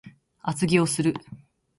厚着をする